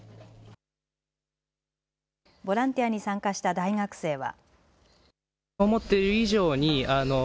ボランティアに参加した大学生は。